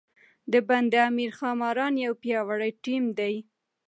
د بند امیر ښاماران یو پیاوړی ټیم دی.